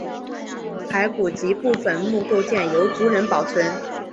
骸骨及部分墓构件由族人保存。